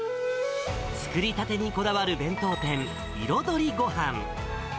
作りたてにこだわる弁当店、彩りごはん。